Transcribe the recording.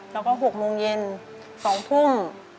แล้วก็๖โมงเย็น๒ทุ่ม